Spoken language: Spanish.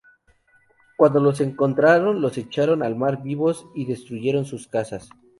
Cuando los encontraron, los echaron al mar vivos y destruyeron sus casas.